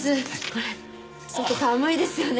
これ外寒いですよね。